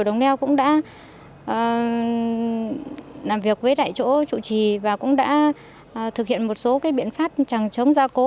nên làm việc với đại chỗ chủ trì và cũng đã thực hiện một số biện pháp chẳng chống gia cố